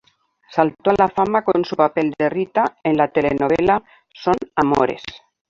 Saltó a la fama con su papel de Rita en la telenovela "Son amores".